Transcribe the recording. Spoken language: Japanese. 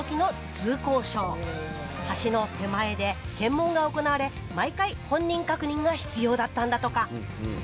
橋の手前で検問が行われ毎回本人確認が必要だったんだとか。